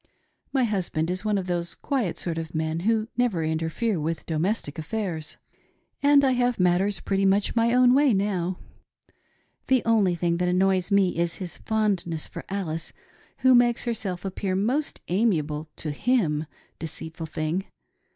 My husband is one of those quiet sort of men who never interfere with domestic affairs, and I have matters "SET ONE TO WATCH THE OTHER. 377 pretty much my own way now. The only thing that annoys me is his fondness for Alice who makes herself appear most amiable to him, deceitful thing